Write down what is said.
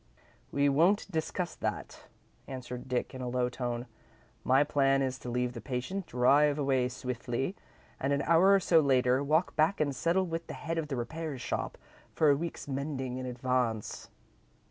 "We won't discuss that," answered Dick, in a low tone. "My plan is to leave the patient, drive away swiftly, and, an hour or so later, walk back and settle with the head of the repair shop for a week's mending in advance."